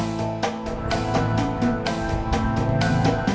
gak ada apa apa kok